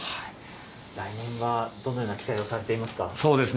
来年はどのような期待をされていますか。